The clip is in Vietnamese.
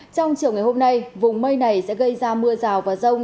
trong chiều ngày hôm nay vùng mây này sẽ gây ra mưa rào và rông